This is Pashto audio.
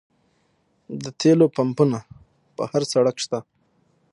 د تیلو پمپونه په هر سړک شته